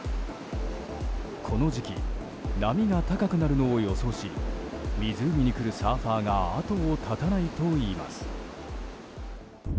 この時期波が高くなるのを予想し湖に来るサーファーが後を絶たないといいます。